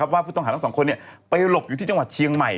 ว่าผู้ต้องหาทั้งสองคนไปหลบอยู่ที่จังหวัดเชียงใหม่